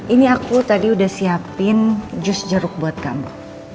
ini aku tadi udah siapin jus jeruk buat kamu